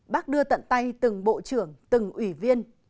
bác đưa tận tay từng bộ trưởng từng ủy viên